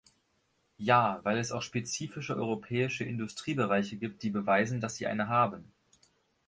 Ja, weil es auch spezifische europäische Industriebereiche gibt, die beweisen, dass sie eine haben.